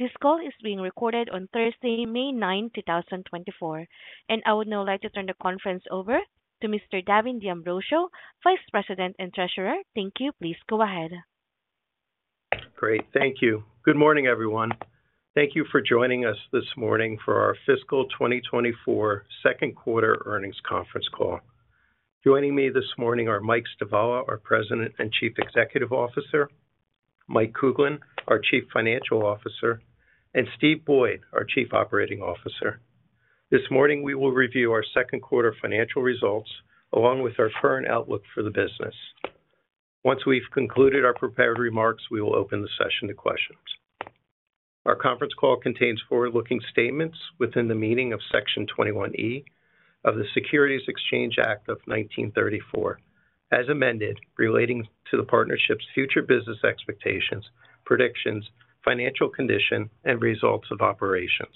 This call is being recorded on Thursday, May 9, 2024, and I would now like to turn the conference over to Mr. Davin D'Ambrosio, Vice President and Treasurer. Thank you. Please go ahead. Great. Thank you. Good morning, everyone. Thank you for joining us this morning for our Fiscal 2024 Second Quarter Earnings Conference Call. Joining me this morning are Mike Stivala, our President and Chief Executive Officer; Mike Kuglin, our Chief Financial Officer; and Steve Boyd, our Chief Operating Officer. This morning we will review our second quarter financial results along with our current outlook for the business. Once we've concluded our prepared remarks, we will open the session to questions. Our conference call contains forward-looking statements within the meaning of Section 21E of the Securities Exchange Act of 1934, as amended relating to the partnership's future business expectations, predictions, financial condition, and results of operations.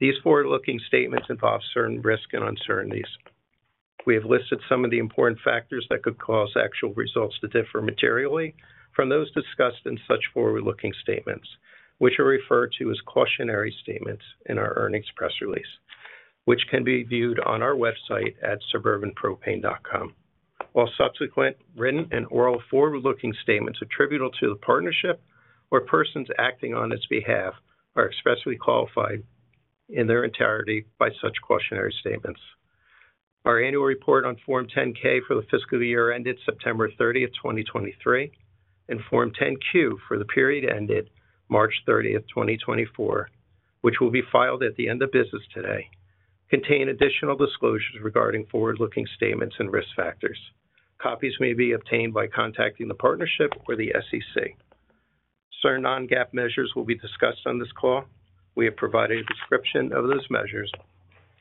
These forward-looking statements involve certain risk and uncertainties. We have listed some of the important factors that could cause actual results to differ materially from those discussed in such forward-looking statements, which are referred to as cautionary statements in our earnings press release, which can be viewed on our website at suburbanpropane.com. All subsequent written and oral forward-looking statements attributable to the partnership or persons acting on its behalf are expressly qualified in their entirety by such cautionary statements. Our annual report on Form 10-K for the fiscal year ended September 30, 2023, and Form 10-Q for the period ended March 30, 2024, which will be filed at the end of business today, contain additional disclosures regarding forward-looking statements and risk factors. Copies may be obtained by contacting the partnership or the SEC. Certain non-GAAP measures will be discussed on this call. We have provided a description of those measures,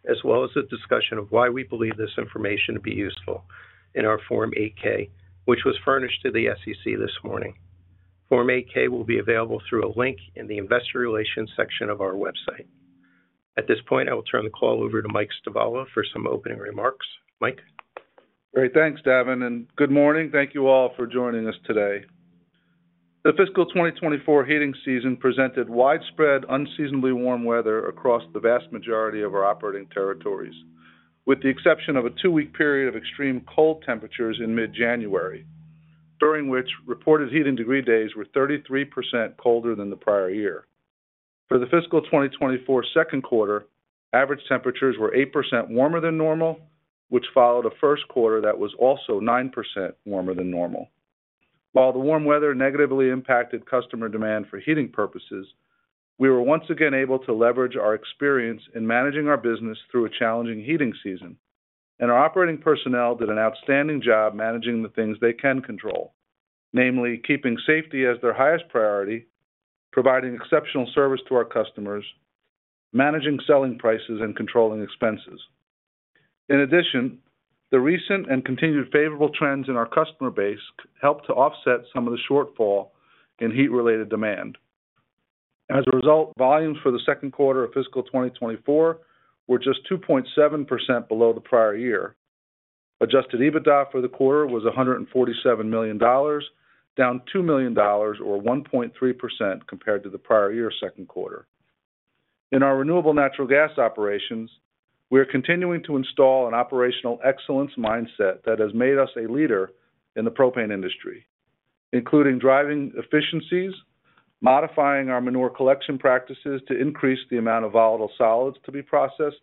as well as a discussion of why we believe this information to be useful in our Form 8-K, which was furnished to the SEC this morning. Form 8-K will be available through a link in the investor relations section of our website. At this point, I will turn the call over to Mike Stivala for some opening remarks. Mike? Great. Thanks, Davin, and good morning. Thank you all for joining us today. The fiscal 2024 heating season presented widespread, unseasonably warm weather across the vast majority of our operating territories, with the exception of a two-week period of extreme cold temperatures in mid-January, during which reported heating degree days were 33% colder than the prior year. For the fiscal 2024 second quarter, average temperatures were 8% warmer than normal, which followed a first quarter that was also 9% warmer than normal. While the warm weather negatively impacted customer demand for heating purposes, we were once again able to leverage our experience in managing our business through a challenging heating season, and our operating personnel did an outstanding job managing the things they can control, namely keeping safety as their highest priority, providing exceptional service to our customers, managing selling prices, and controlling expenses. In addition, the recent and continued favorable trends in our customer base helped to offset some of the shortfall in heat-related demand. As a result, volumes for the second quarter of fiscal 2024 were just 2.7% below the prior year. Adjusted EBITDA for the quarter was $147 million, down $2 million or 1.3% compared to the prior year's second quarter. In our renewable natural gas operations, we are continuing to install an operational excellence mindset that has made us a leader in the propane industry, including driving efficiencies, modifying our manure collection practices to increase the amount of volatile solids to be processed,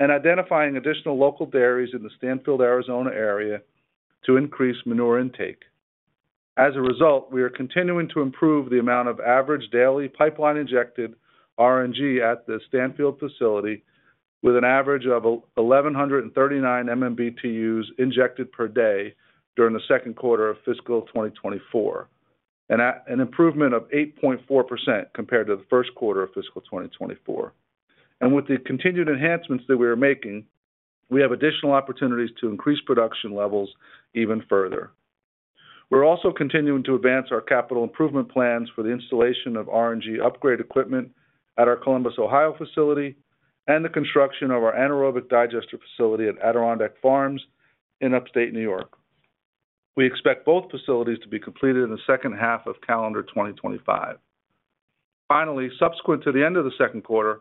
and identifying additional local dairies in the Stanfield, Arizona area to increase manure intake. As a result, we are continuing to improve the amount of average daily pipeline-injected RNG at the Stanfield facility, with an average of 1,139 MMBtu injected per day during the second quarter of fiscal 2024, an improvement of 8.4% compared to the first quarter of fiscal 2024. And with the continued enhancements that we are making, we have additional opportunities to increase production levels even further. We're also continuing to advance our capital improvement plans for the installation of RNG upgrade equipment at our Columbus, Ohio facility and the construction of our anaerobic digester facility at Adirondack Farms in upstate New York. We expect both facilities to be completed in the second half of calendar 2025. Finally, subsequent to the end of the second quarter,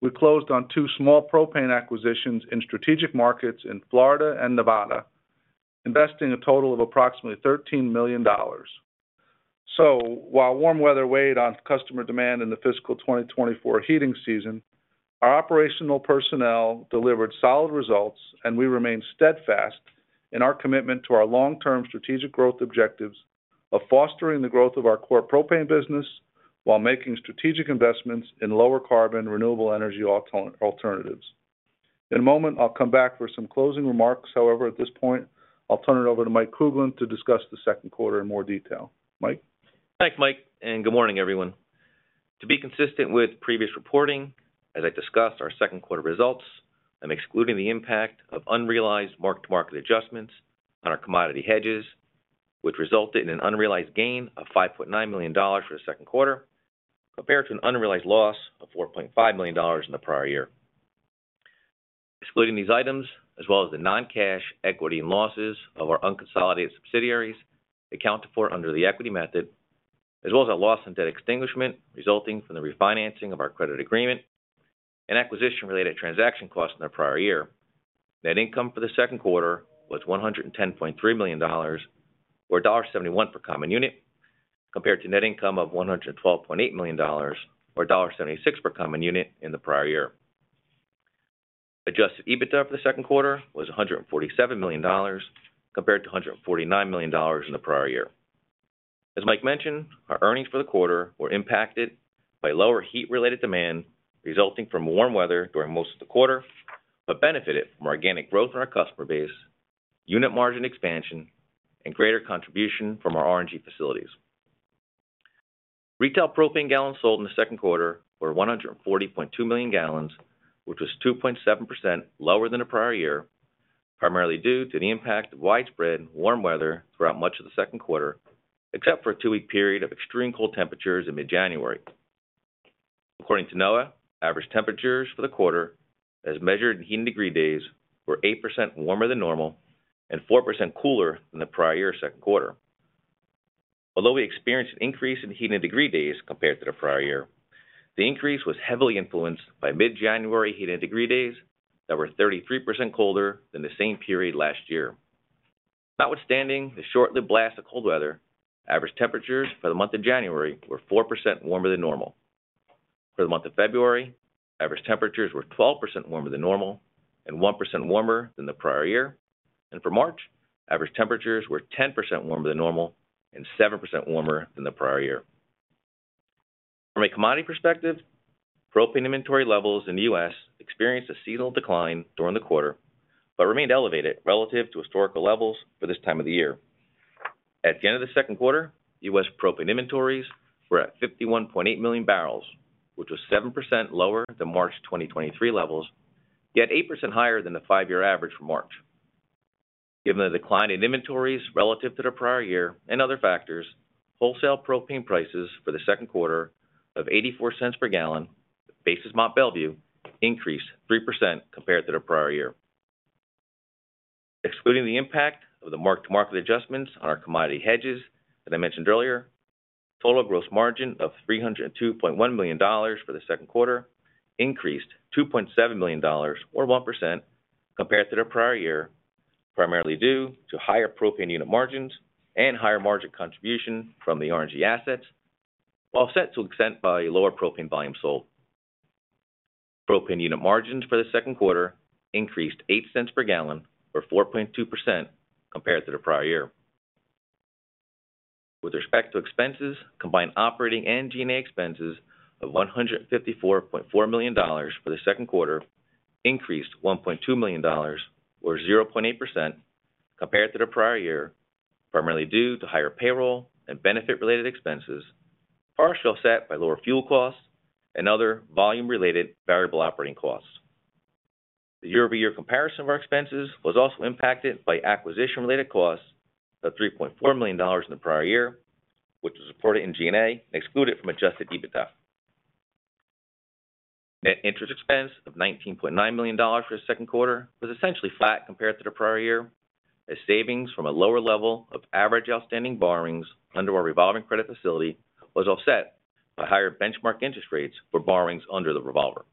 we closed on two small propane acquisitions in strategic markets in Florida and Nevada, investing a total of approximately $13 million. So, while warm weather weighed on customer demand in the fiscal 2024 heating season, our operational personnel delivered solid results, and we remain steadfast in our commitment to our long-term strategic growth objectives of fostering the growth of our core propane business while making strategic investments in lower-carbon renewable energy alternatives. In a moment, I'll come back for some closing remarks. However, at this point, I'll turn it over to Mike Kuglin to discuss the second quarter in more detail. Mike? Thanks, Mike, and good morning, everyone. To be consistent with previous reporting, as I discussed our second quarter results, I'm excluding the impact of unrealized mark-to-market adjustments on our commodity hedges, which resulted in an unrealized gain of $5.9 million for the second quarter compared to an unrealized loss of $4.5 million in the prior year. Excluding these items, as well as the non-cash equity in losses of our unconsolidated subsidiaries accounted for under the equity method, as well as our loss in debt extinguishment resulting from the refinancing of our credit agreement and acquisition-related transaction costs in the prior year, net income for the second quarter was $110.3 million or $1.71 per common unit compared to net income of $112.8 million or $1.76 per common unit in the prior year. Adjusted EBITDA for the second quarter was $147 million compared to $149 million in the prior year. As Mike mentioned, our earnings for the quarter were impacted by lower heat-related demand resulting from warm weather during most of the quarter but benefited from organic growth in our customer base, unit margin expansion, and greater contribution from our RNG facilities. Retail propane gallons sold in the second quarter were 140.2 million gallons, which was 2.7% lower than the prior year, primarily due to the impact of widespread warm weather throughout much of the second quarter, except for a two-week period of extreme cold temperatures in mid-January. According to NOAA, average temperatures for the quarter, as measured in heating degree days, were 8% warmer than normal and 4% cooler than the prior year's second quarter. Although we experienced an increase in heating degree days compared to the prior year, the increase was heavily influenced by mid-January heating degree days that were 33% colder than the same period last year. Notwithstanding the short-lived blast of cold weather, average temperatures for the month of January were 4% warmer than normal. For the month of February, average temperatures were 12% warmer than normal and 1% warmer than the prior year, and for March, average temperatures were 10% warmer than normal and 7% warmer than the prior year. From a commodity perspective, propane inventory levels in the U.S. experienced a seasonal decline during the quarter but remained elevated relative to historical levels for this time of the year. At the end of the second quarter, U.S. propane inventories were at 51.8 million barrels, which was 7% lower than March 2023 levels, yet 8% higher than the five-year average for March. Given the decline in inventories relative to the prior year and other factors, wholesale propane prices for the second quarter of $0.84 per gallon based at Mont Belvieu increased 3% compared to the prior year. Excluding the impact of the mark-to-market adjustments on our commodity hedges that I mentioned earlier, total gross margin of $302.1 million for the second quarter increased $2.7 million or 1% compared to the prior year, primarily due to higher propane unit margins and higher margin contribution from the RNG assets, while offset to an extent by lower propane volume sold. Propane unit margins for the second quarter increased $0.08 per gallon or 4.2% compared to the prior year. With respect to expenses, combined operating and G&A expenses of $154.4 million for the second quarter increased $1.2 million or 0.8% compared to the prior year, primarily due to higher payroll and benefit-related expenses, partially offset by lower fuel costs, and other volume-related variable operating costs. The year-over-year comparison of our expenses was also impacted by acquisition-related costs of $3.4 million in the prior year, which was reported in G&A and excluded from Adjusted EBITDA. Net interest expense of $19.9 million for the second quarter was essentially flat compared to the prior year, as savings from a lower level of average outstanding borrowings under our revolving credit facility was offset by higher benchmark interest rates for borrowings under the revolver.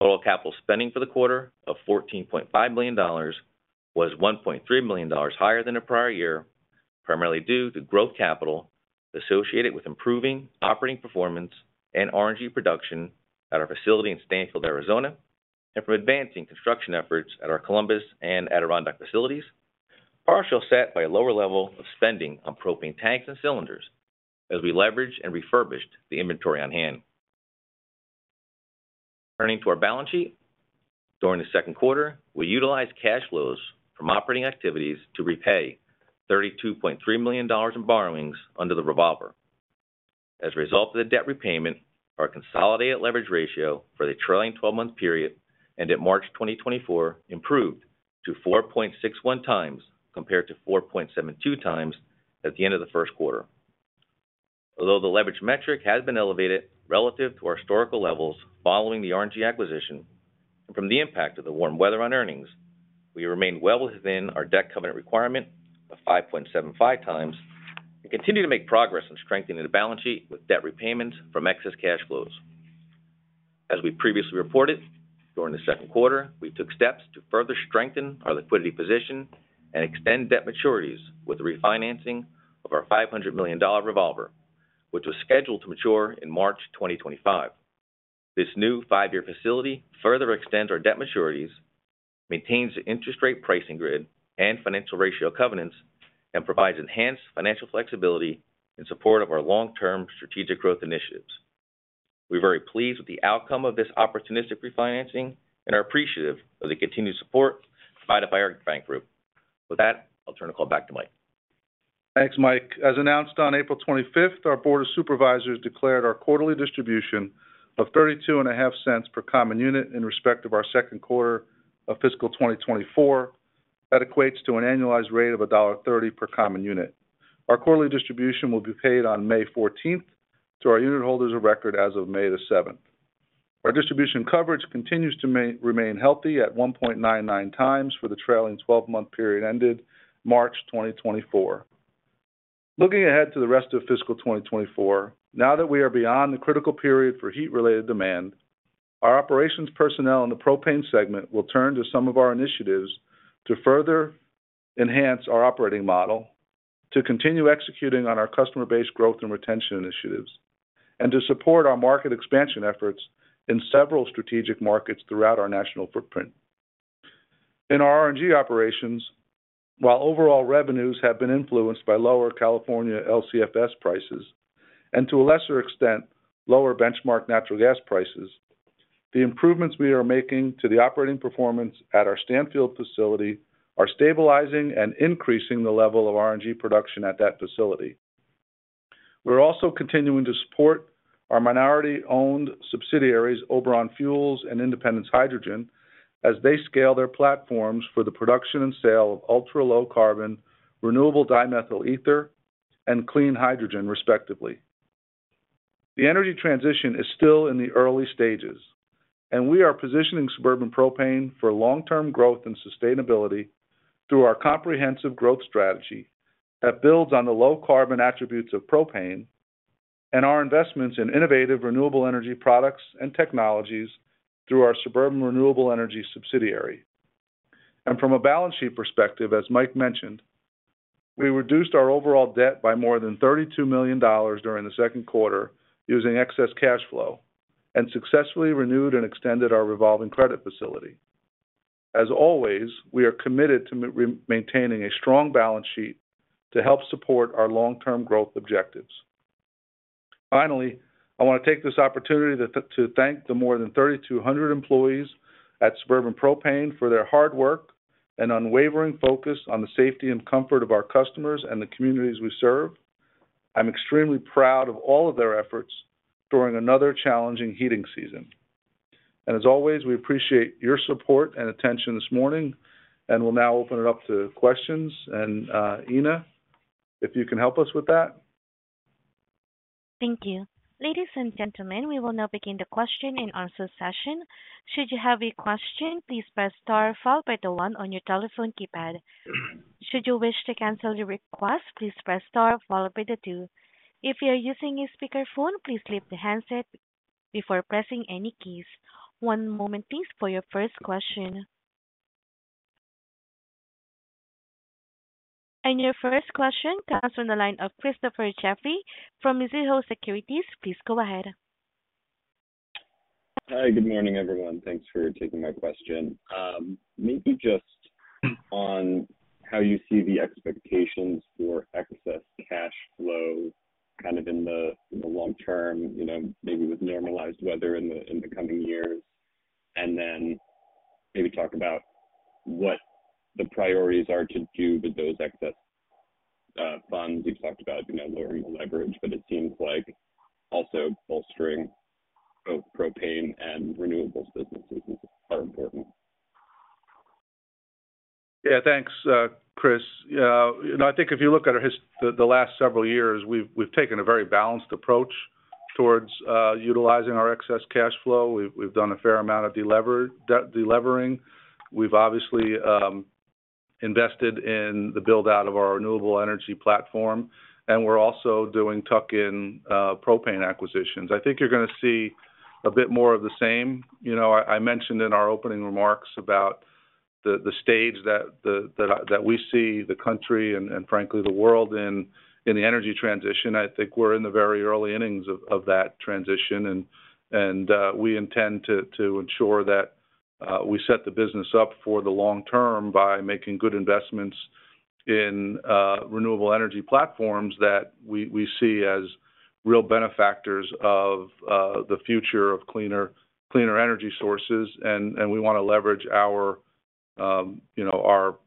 Total capital spending for the quarter of $14.5 million was $1.3 million higher than the prior year, primarily due to growth capital associated with improving operating performance and RNG production at our facility in Stanfield, Arizona, and from advancing construction efforts at our Columbus and Adirondack facilities, partially offset by a lower level of spending on propane tanks and cylinders as we leveraged and refurbished the inventory on hand. Turning to our balance sheet, during the second quarter, we utilized cash flows from operating activities to repay $32.3 million in borrowings under the revolver. As a result of the debt repayment, our consolidated leverage ratio for the trailing 12-month period ended March 2024 improved to 4.61 times compared to 4.72 times at the end of the first quarter. Although the leverage metric has been elevated relative to our historical levels following the RNG acquisition and from the impact of the warm weather on earnings, we remain well within our debt covenant requirement of 5.75 times and continue to make progress in strengthening the balance sheet with debt repayments from excess cash flows. As we previously reported, during the second quarter, we took steps to further strengthen our liquidity position and extend debt maturities with the refinancing of our $500 million revolver, which was scheduled to mature in March 2025. This new five-year facility further extends our debt maturities, maintains the interest rate pricing grid and financial ratio covenants, and provides enhanced financial flexibility in support of our long-term strategic growth initiatives. We're very pleased with the outcome of this opportunistic refinancing and are appreciative of the continued support provided by our bank group. With that, I'll turn the call back to Mike. Thanks, Mike. As announced on April 25th, our Board of Supervisors declared our quarterly distribution of $0.325 per common unit in respect of our second quarter of fiscal 2024. That equates to an annualized rate of $1.30 per common unit. Our quarterly distribution will be paid on May 14th to our unitholders of record as of May 7th. Our distribution coverage continues to remain healthy at 1.99 times for the trailing 12-month period ended March 2024. Looking ahead to the rest of fiscal 2024, now that we are beyond the critical period for heat-related demand, our operations personnel in the propane segment will turn to some of our initiatives to further enhance our operating model, to continue executing on our customer base growth and retention initiatives, and to support our market expansion efforts in several strategic markets throughout our national footprint. In our RNG operations, while overall revenues have been influenced by lower California LCFS prices and to a lesser extent lower benchmark natural gas prices, the improvements we are making to the operating performance at our Stanfield facility are stabilizing and increasing the level of RNG production at that facility. We're also continuing to support our minority-owned subsidiaries, Oberon Fuels and Independence Hydrogen, as they scale their platforms for the production and sale of ultra-low carbon renewable dimethyl ether and clean hydrogen, respectively. The energy transition is still in the early stages, and we are positioning Suburban Propane for long-term growth and sustainability through our comprehensive growth strategy that builds on the low-carbon attributes of propane and our investments in innovative renewable energy products and technologies through our Suburban Renewable Energy subsidiary. From a balance sheet perspective, as Mike mentioned, we reduced our overall debt by more than $32 million during the second quarter using excess cash flow and successfully renewed and extended our revolving credit facility. As always, we are committed to maintaining a strong balance sheet to help support our long-term growth objectives. Finally, I want to take this opportunity to thank the more than 3,200 employees at Suburban Propane for their hard work and unwavering focus on the safety and comfort of our customers and the communities we serve. I'm extremely proud of all of their efforts during another challenging heating season. And as always, we appreciate your support and attention this morning, and we'll now open it up to questions. And, Ena, if you can help us with that. Thank you. Ladies and gentlemen, we will now begin the question and answer session. Should you have a question, please press star followed by the 1 on your telephone keypad? Should you wish to cancel your request, please press star followed by the 2? If you are using a speakerphone, please leave the handset before pressing any keys. One moment, please, for your first question. Your first question comes from the line of Christopher Jeffrey from Mizuho Securities. Please go ahead. Hi. Good morning, everyone. Thanks for taking my question. Maybe just on how you see the expectations for excess cash flow kind of in the, in the long term, you know, maybe with normalized weather in the, in the coming years, and then maybe talk about what the priorities are to do with those excess, funds. You've talked about, you know, lowering the leverage, but it seems like also bolstering both propane and renewables businesses is, are important. Yeah. Thanks, Chris. Yeah. You know, I think if you look at our history, the last several years, we've taken a very balanced approach towards utilizing our excess cash flow. We've done a fair amount of deleveraging. We've obviously invested in the build-out of our renewable energy platform, and we're also doing tuck-in propane acquisitions. I think you're going to see a bit more of the same. You know, I mentioned in our opening remarks about the stage that we see the country and frankly the world in, in the energy transition. I think we're in the very early innings of that transition, and we intend to ensure that we set the business up for the long term by making good investments in renewable energy platforms that we see as real benefactors of the future of cleaner energy sources. And we want to leverage our, you know, our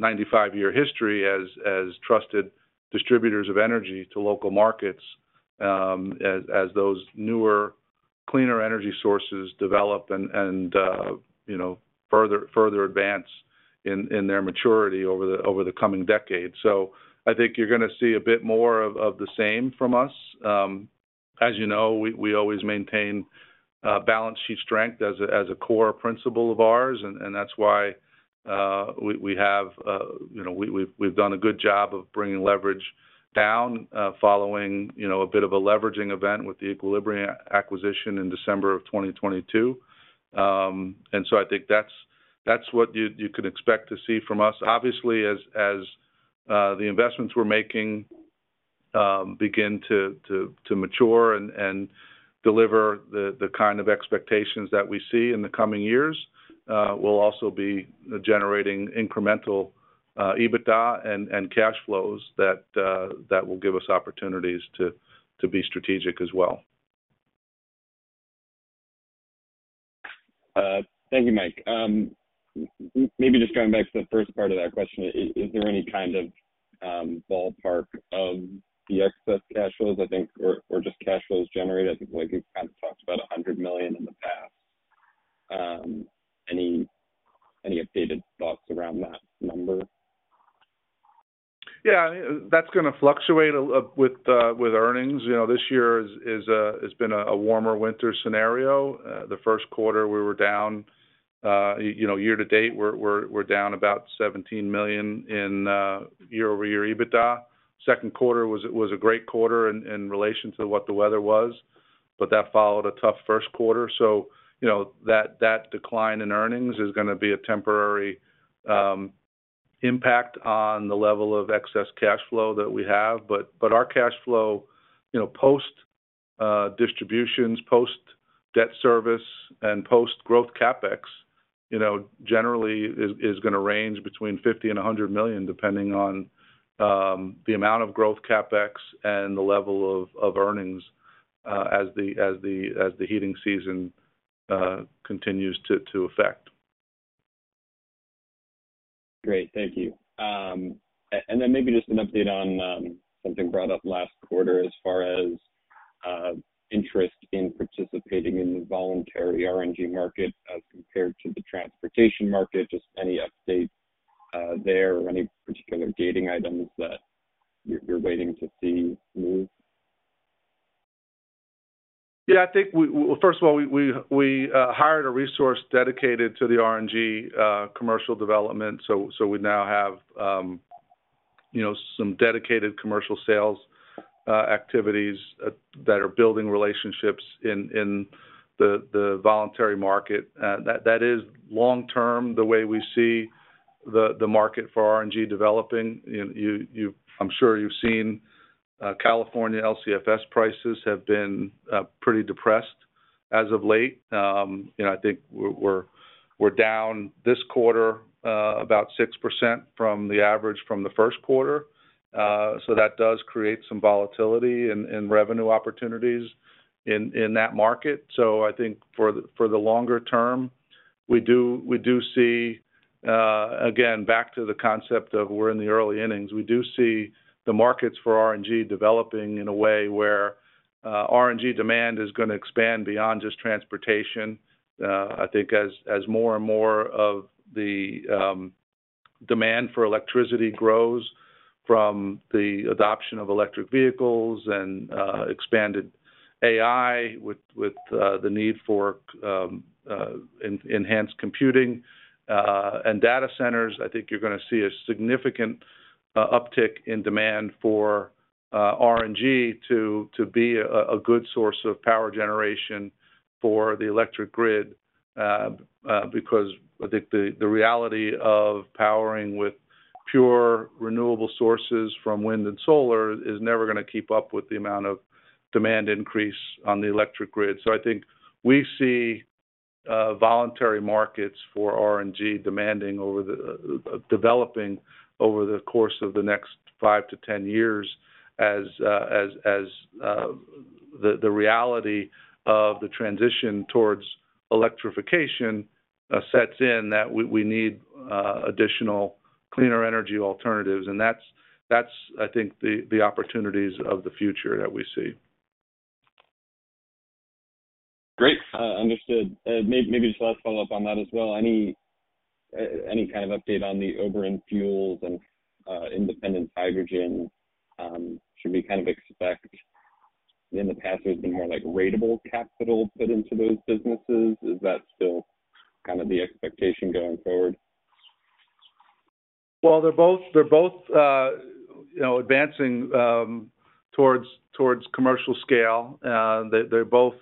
95-year history as trusted distributors of energy to local markets, as those newer, cleaner energy sources develop and, you know, further advance in their maturity over the coming decades. So I think you're going to see a bit more of the same from us. As you know, we always maintain balance sheet strength as a core principle of ours, and that's why we have, you know, we've done a good job of bringing leverage down, following, you know, a bit of a leveraging event with the Equilibrium acquisition in December of 2022. And so I think that's what you could expect to see from us. Obviously, as the investments we're making begin to mature and deliver the kind of expectations that we see in the coming years, we'll also be generating incremental EBITDA and cash flows that will give us opportunities to be strategic as well. Thank you, Mike. Maybe just going back to the first part of that question, is there any kind of ballpark of the excess cash flows? I think, or just cash flows generated. I think, like, you've kind of talked about $100 million in the past. Any updated thoughts around that number? Yeah. I mean, that's going to fluctuate a lot with earnings. You know, this year has been a warmer winter scenario. The first quarter, we were down. You know, year to date, we're down about $17 million year-over-year in EBITDA. Second quarter was a great quarter in relation to what the weather was, but that followed a tough first quarter. So, you know, that decline in earnings is going to be a temporary impact on the level of excess cash flow that we have. But our cash flow, you know, post distributions, post debt service, and post growth CapEx, you know, generally is going to range between $50 million and $100 million, depending on the amount of growth CapEx and the level of earnings, as the heating season continues to affect. Great. Thank you. And then maybe just an update on something brought up last quarter as far as interest in participating in the voluntary RNG market as compared to the transportation market. Just any update there or any particular gating items that you're waiting to see move? Yeah. I think we, well, first of all, we hired a resource dedicated to the RNG commercial development. So we now have, you know, some dedicated commercial sales activities that are building relationships in the voluntary market. That is long-term the way we see the market for RNG developing. You know, I'm sure you've seen, California LCFS prices have been pretty depressed as of late. You know, I think we're down this quarter about 6% from the average from the first quarter. So that does create some volatility in revenue opportunities in that market. So I think for the longer term, we do see, again, back to the concept of we're in the early innings, we do see the markets for RNG developing in a way where RNG demand is going to expand beyond just transportation. I think as more and more of the demand for electricity grows from the adoption of electric vehicles and expanded AI with the need for enhanced computing and data centers, I think you're going to see a significant uptick in demand for RNG to be a good source of power generation for the electric grid, because I think the reality of powering with pure renewable sources from wind and solar is never going to keep up with the amount of demand increase on the electric grid. So, I think we see voluntary markets for RNG developing over the course of the next 5-10 years as the reality of the transition towards electrification sets in that we need additional cleaner energy alternatives. And that's, I think, the opportunities of the future that we see. Great. Understood. Maybe just a last follow-up on that as well. Any kind of update on the Oberon Fuels and Independence Hydrogen? Should we kind of expect, in the past there's been more like ratable capital put into those businesses? Is that still kind of the expectation going forward? Well, they're both, you know, advancing towards commercial scale. They're both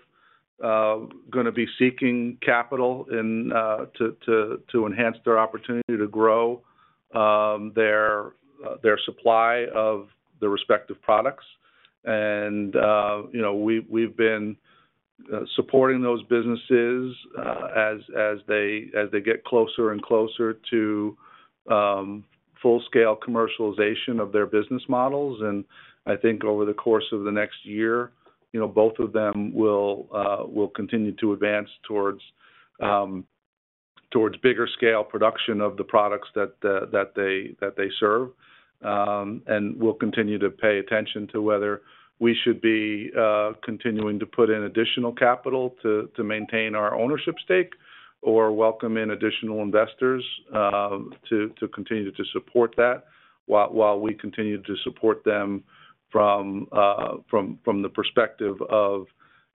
going to be seeking capital to enhance their opportunity to grow their supply of their respective products. And, you know, we've been supporting those businesses as they get closer and closer to full-scale commercialization of their business models. And I think over the course of the next year, you know, both of them will continue to advance towards bigger-scale production of the products that they serve. And we'll continue to pay attention to whether we should be continuing to put in additional capital to maintain our ownership stake or welcome in additional investors to continue to support that while we continue to support them from the perspective of,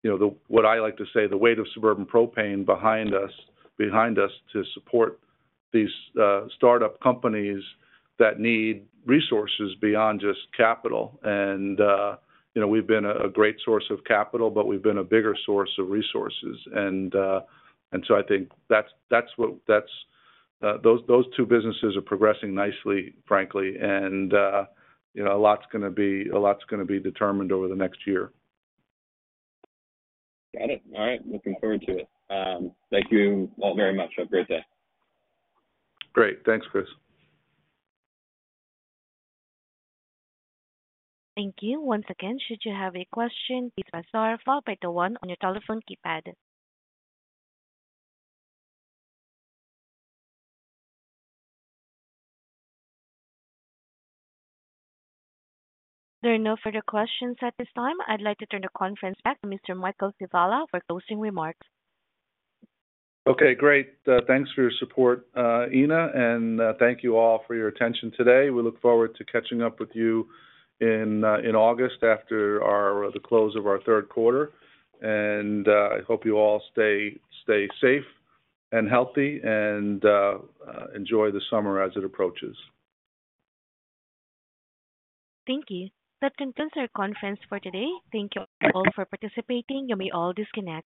you know, the what I like to say, the weight of Suburban Propane behind us to support these startup companies that need resources beyond just capital. And, you know, we've been a great source of capital, but we've been a bigger source of resources. And so I think that's what that's, those two businesses are progressing nicely, frankly. And, you know, a lot's going to be determined over the next year. Got it. All right. Looking forward to it. Thank you all very much. Have a great day. Great. Thanks, Chris. Thank you once again. Should you have a question, please press star followed by the 1 on your telephone keypad. There are no further questions at this time. I'd like to turn the conference back to Mr. Michael Stivala for closing remarks. Okay. Great. Thanks for your support, Ena, and thank you all for your attention today. We look forward to catching up with you in August after the close of our third quarter. I hope you all stay safe and healthy and enjoy the summer as it approaches. Thank you. That concludes our conference for today. Thank you all for participating. You may all disconnect.